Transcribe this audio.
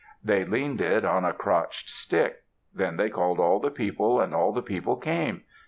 They leaned it on a crotched stick. Then they called all the people and all the people came.